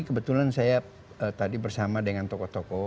kebetulan saya tadi bersama dengan tokoh tokoh